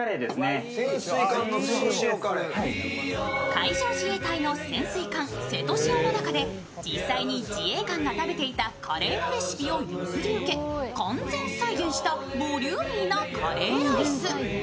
海上自衛隊の自衛官「せとしお」の中で実際に自衛官が食べていたカレーのレシピを譲り受け完全再現したボリューミーなカレーライス。